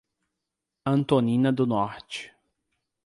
Antonina do Norte